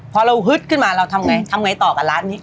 พอเราฮึดขึ้นมาเราทำไงทำไงต่อกับร้านนี้